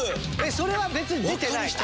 それは別に出てない？